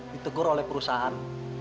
ditegur oleh perusahaan